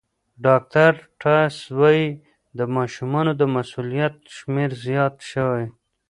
ډاکټر ټاس وايي د ماشومانو د مسمومیت شمېر زیات شوی.